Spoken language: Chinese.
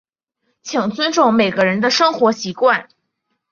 请尊重每个人的生活习惯。